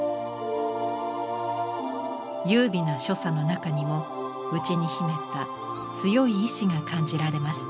優美な所作の中にも内に秘めた強い意志が感じられます。